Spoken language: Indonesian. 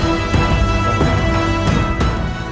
gusti yang agung